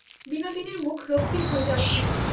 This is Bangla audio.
বিনোদিনীর মুখ রক্তিম হইয়া উঠিল।